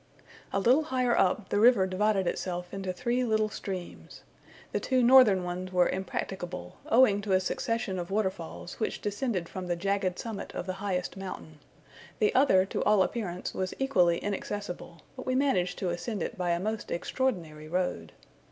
A little higher up, the river divided itself into three little streams. The two northern ones were impracticable, owing to a succession of waterfalls which descended from the jagged summit of the highest mountain; the other to all appearance was equally inaccessible, but we managed to ascend it by a most extraordinary road.